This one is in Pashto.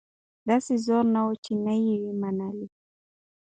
داسي زور نه وو چي نه یې وي منلي